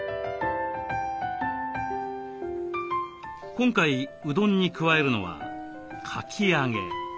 今回うどんに加えるのはかき揚げ。